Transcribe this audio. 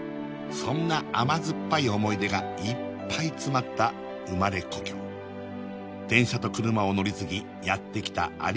そんな甘酸っぱい思い出がいっぱい詰まった生まれ故郷電車と車を乗り継ぎやって来た有吉の故郷